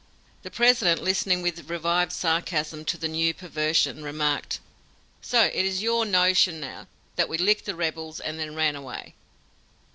The President, listening with revived sarcasm to the new perversion, remarked: "So it is your notion now that we licked the rebels and then ran away!"